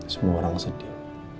semua orang sedih